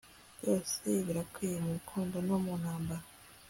byose birakwiye mu rukundo no mu ntambara